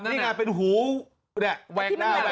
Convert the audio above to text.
นี่ไงเป็นหูแวกหน้า